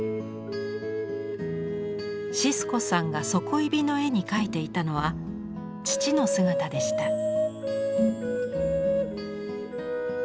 シスコさんが「ソコイビ」の絵に描いていたのは父の姿でした。